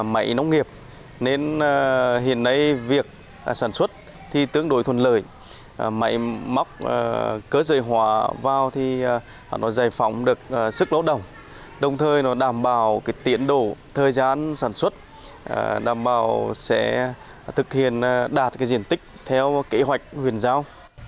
máy nông nghiệp nên hiện nay việc sản xuất thì tương đối thuần lợi máy móc cơ giới hóa vào thì nó giải phóng được sức lao động đồng thời nó đảm bảo tiến đổ thời gian sản xuất đảm bảo sẽ thực hiện đạt diện tích theo kế hoạch huyền giao